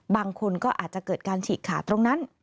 บางคนก็อาจจะเกิดการฉีกขาดตรงนั้น